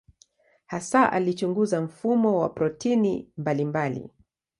Hasa alichunguza mfumo wa protini mbalimbali.